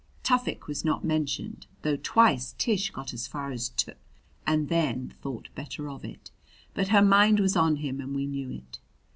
Tufik was not mentioned, though twice Tish got as far as Tu and then thought better of it; but her mind was on him and we knew it.